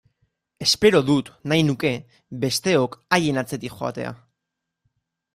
Espero dut, nahi nuke, besteok haien atzetik joatea!